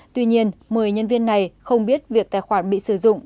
tuy nhiên một mươi nhân viên này không biết việc tài khoản bị sử dụng